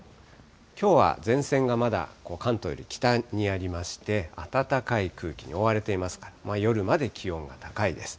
きょうは前線がまだ関東より北にありまして、暖かい空気に覆われていますから、夜まで気温が高いです。